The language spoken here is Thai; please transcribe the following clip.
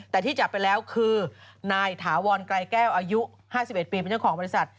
แต่ที่จับไปแล้วคือนายถาวรไกรแก้วอายุ๕๑ปีเป็นเจ้าของบริษัท